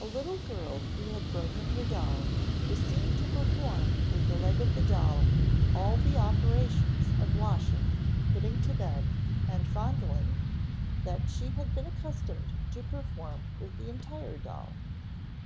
A little girl who had broken her doll was seen to perform with the leg of the doll all the operations of washing, putting to bed, and fondling, that she had been accustomed to perform with the entire doll.